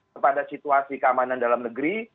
kepada situasi keamanan dalam negeri